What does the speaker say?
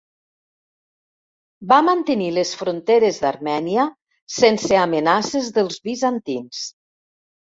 Va mantenir les fronteres d'Armènia sense amenaces dels bizantins.